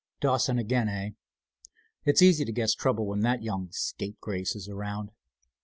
"Dawson again, eh? It's easy to guess trouble when that young scapegrace is around.